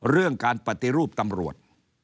เรื่องการปฏิรูปตำรวจ